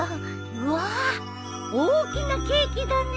わあ大きなケーキだね。